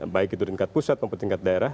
baik itu tingkat pusat maupun tingkat daerah